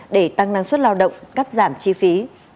để tăng năng suất lao động cắt giảm chi phí